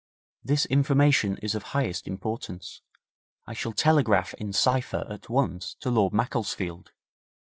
'This information is of highest importance. I shall telegraph in cipher at once to Lord Macclesfield.